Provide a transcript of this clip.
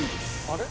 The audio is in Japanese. あれ？